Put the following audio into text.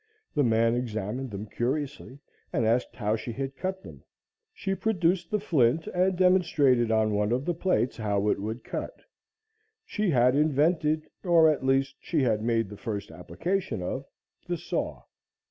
The man examined them curiously and asked how she had cut them. She produced the flint and demonstrated on one of the plates how it would cut. She had invented, or at least, she had made the first application of the saw.